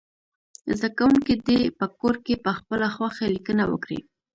زده کوونکي دې په کور کې پخپله خوښه لیکنه وکړي.